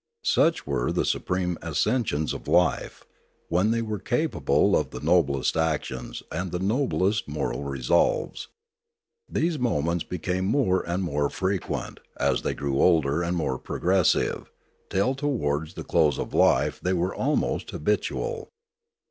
Such were the supreme ascensions of life, when they were capable Death 389 ot the noblest actions and the noblest moral resolves. These moments became more and more frequent as they grew older and more progressive, till towards the close of life they were almost habitual.